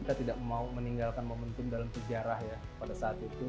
kita tidak mau meninggalkan momentum dalam sejarah ya pada saat itu